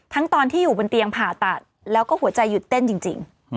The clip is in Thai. ตอนที่อยู่บนเตียงผ่าตัดแล้วก็หัวใจหยุดเต้นจริง